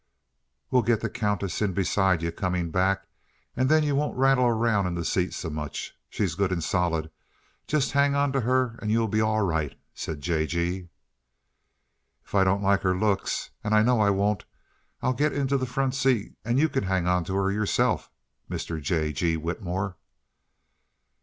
"We'll get the Countess in beside yuh, coming back, and then yuh won't rattle around in the seat so much. She's good and solid just hang onto her and you'll be all right," said J. G. "If I don't like her looks and I know I won't I'll get into the front seat and you can hang onto her yourself, Mr. J. G. Whitmore."